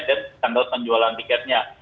dan sandal penjualan tiketnya